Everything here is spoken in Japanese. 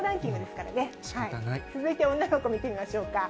続いて女の子見てみましょうか。